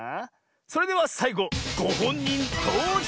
それではさいごごほんにんとうじょうクイズ！